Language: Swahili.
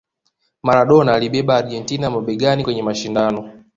Maradona aliibeba Argentina mabegani kwenye mashindano